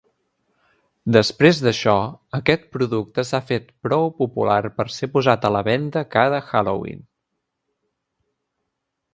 Després d'això, aquest producte s'ha fet prou popular per ser posat a la venda cada Halloween.